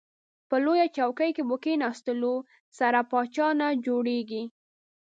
په لویه چوکۍ په کیناستلو سره پاچا نه جوړیږئ.